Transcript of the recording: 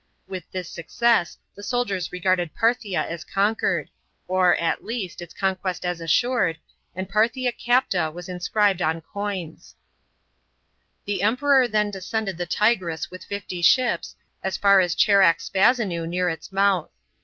With this success the soldiers regarded Parthia as conquered, or, at least, its conquest as assured, and Parthia capta was inscribed on coins. § 14. The Emperor then descended the Tigris with fifty ships, as 116 A.*. CONQUEST OF WESTERN PARTHIA. 453 far as Charax Spasinu near its mouth.